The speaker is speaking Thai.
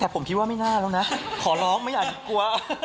แต่ผมคิดว่าไม่น่าแล้วนะขอร้องไม่อยากจะกลัว